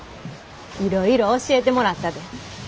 いろいろ教えてもらったで。